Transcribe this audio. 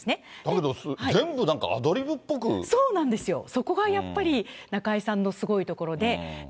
だけど、全部なんか、そうなんですよ、そこがやっぱり中居さんのすごいところで。